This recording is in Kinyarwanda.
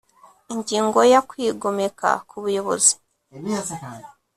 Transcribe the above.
Ingingo ya Kwigomeka ku buyobozi